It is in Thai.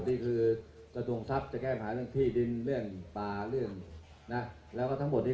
เมืองอัศวินธรรมดาคือสถานที่สุดท้ายของเมืองอัศวินธรรมดา